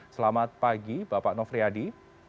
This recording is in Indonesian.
selamat pagi bapak nofriyadi